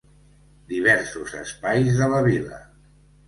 Diversos espais de la vila.